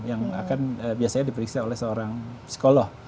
yang akan biasanya diperiksa oleh seorang psikolog